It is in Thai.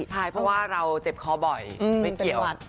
ใช่เพราะว่าเราเจ็บคอบ่อยไม่เกี่ยว